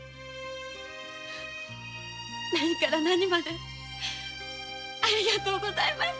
何から何までありがとうございます。